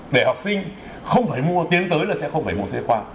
để học sinh không phải mua tiến tới là sẽ không phải mua sách giáo khoa